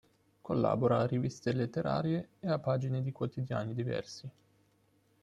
Collabora a riviste letterarie e a pagine di quotidiani diversi.